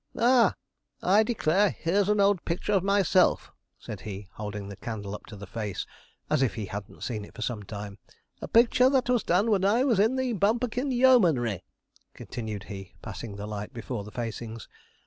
'Ah! I declare here's an old picture of myself,' said he, holding the candle up to the face, as if he hadn't seen it for some time 'a picture that was done when I was in the Bumperkin yeomanry,' continued he, passing the light before the facings.